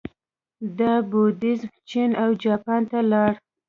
دا بودیزم چین او جاپان ته لاړ